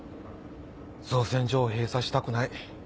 造船所を閉鎖したくない。